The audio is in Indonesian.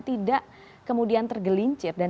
tidak kemudian tergelincir dan